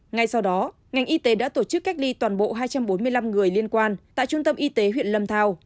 ngay sau đó ngành y tế đã tổ chức cách ly toàn bộ hai trăm bốn mươi năm người liên quan tại trung tâm y tế huyện lâm thao